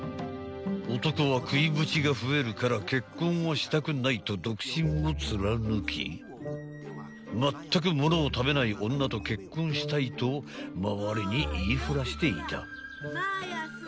［男は食いぶちが増えるから結婚をしたくないと独身を貫きまったくものを食べない女と結婚したいと周りに言いふらしていた］